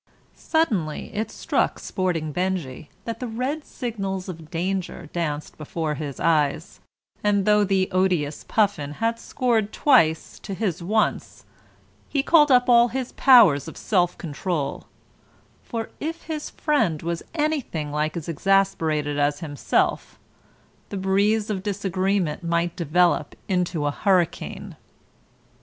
Suddenly it struck Sporting Benjy that the red signals of danger danced before his eyes, and though the odious Puffin had scored twice to his once, he called up all his powers of self control, for if his friend was anything like as exasperated as himself, the breeze of disagreement might develop into a hurricane.